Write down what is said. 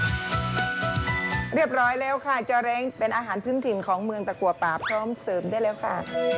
เรียบร้อยแล้วค่ะจะแรงเป็นอาหารพื้นถิ่นของเมืองตะกัวป่าพร้อมเสริมได้แล้วค่ะ